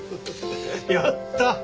やった！